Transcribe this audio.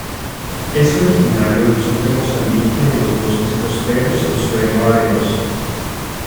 Es originario del sur de Mozambique en los bosques costeros en suelo arenoso.